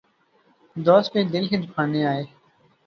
دوست بھی دل ہی دکھانے آئے